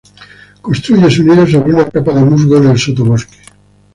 Construye su nido sobre una capa de musgo en el sotobosque.